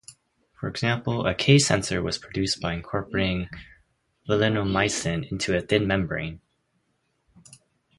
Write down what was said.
For example, a K sensor was produced by incorporating valinomycin into a thin membrane.